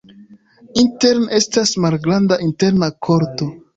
Interne estas malgranda interna korto.